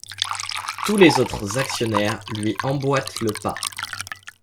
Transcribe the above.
Tous les autres actionnaires lui emboîtent le pas.